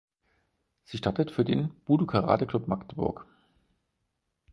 Sie startet für den "Budo Karate Club Magdeburg".